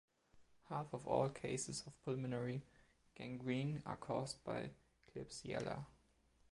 Half of all cases of pulmonary gangrene are caused by "Klebsiella".